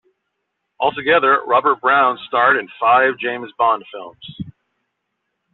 Altogether, Robert Brown starred in five James Bond films.